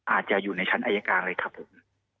อาจจะอยู่ในชั้นอายการเลยครับผม